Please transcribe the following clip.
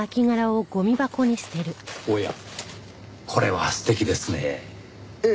おやこれは素敵ですねぇ。